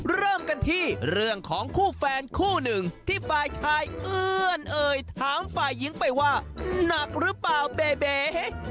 เริ่มกันที่เรื่องของคู่แฟนคู่หนึ่งที่ฝ่ายชายเอื้อนเอ่ยถามฝ่ายหญิงไปว่าหนักหรือเปล่าเบเบ